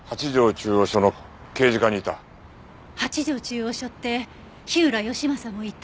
八条中央署って火浦義正もいた。